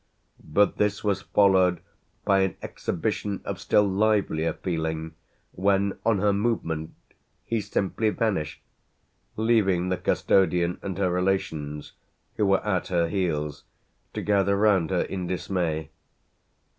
but this was followed by an exhibition of still livelier feeling when on her movement he simply vanished, leaving the custodian and her relations, who were at her heels, to gather round her in dismay.